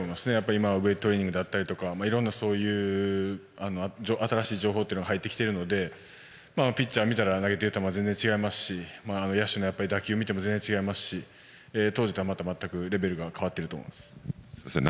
今はウェートトレーニングだったりいろんな新しい情報が入ってきているのでピッチャー見たら投げている球は全然違いますし野手の打球を見ても全然違いますし当時とは全くレベルが変わっていると思います。